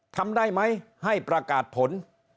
ทำได้ไหมให้ประกาศผล